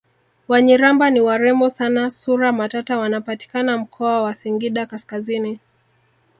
Wanyiramba ni warembo sana sura matata wanapatikana mkoa wa singida kaskazini